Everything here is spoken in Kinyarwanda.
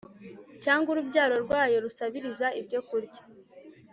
cyangwa urubyaro rwayo rusabiriza ibyo kurya